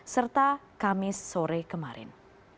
serta kamis sore kemarin